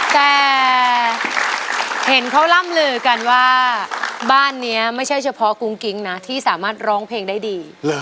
แต่เห็นเขาร่ำลือกันว่าบ้านนี้ไม่ใช่เฉพาะกุ้งกิ๊งนะที่สามารถร้องเพลงได้ดี